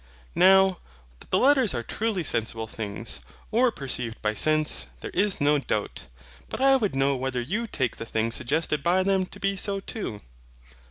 Now, that the letters are truly sensible things, or perceived by sense, there is no doubt: but I would know whether you take the things suggested by them to be so too.